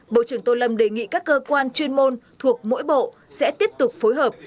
bộ trưởng tô lâm đề nghị các cơ quan chuyên môn thuộc mỗi bộ sẽ tiếp tục phối hợp